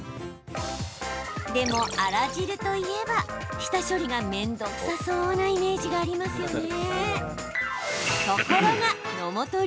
でも、あら汁といえば下処理が面倒くさそうなイメージがありますよね。